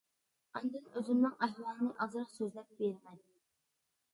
ئاندىن ئۆزۈمنىڭ ئەھۋالىنى ئازراق سۆزلەپ بېرىمەن.